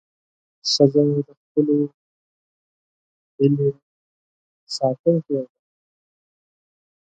ښځه د خپلو هیلې ساتونکې ده.